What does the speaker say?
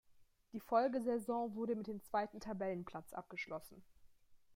Die Folgesaison wurde mit dem zweiten Tabellenplatz abgeschlossen.